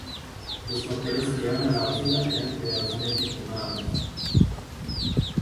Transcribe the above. Los papeles que iban a la basura eran cuidadosamente quemados.